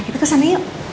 kita kesana yuk